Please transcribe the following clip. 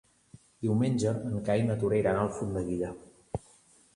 Diumenge en Cai i na Tura iran a Alfondeguilla.